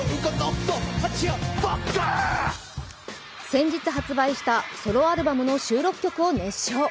先日発売したソロアルバムの収録曲を熱唱。